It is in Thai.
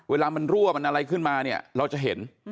เวลามันรั่วมันอะไรขึ้นมาเนี่ยเราจะเห็น